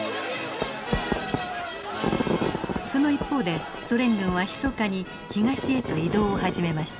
その一方でソ連軍はひそかに東へと移動を始めました。